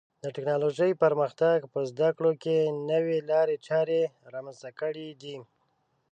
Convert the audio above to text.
د ټکنالوژۍ پرمختګ په زده کړو کې نوې لارې چارې رامنځته کړې دي.